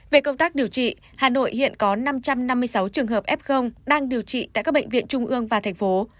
về công tác điều trị hà nội hiện có năm trăm năm mươi sáu trường hợp f đang điều trị tại các bệnh viện trung ương và thành phố